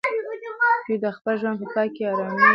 پییر د خپل ژوند په پای کې ارامي وموندله.